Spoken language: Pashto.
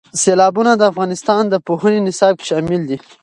سیلابونه د افغانستان د پوهنې نصاب کې شامل دي.